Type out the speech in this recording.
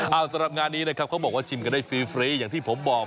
เอาสำหรับงานนี้นะครับเขาบอกว่าชิมกันได้ฟรีอย่างที่ผมบอก